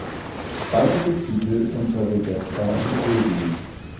Weitere Titel unter Regesta Imperii